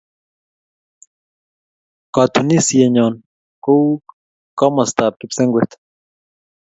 Katunisienyo ko u komastap kipsengwet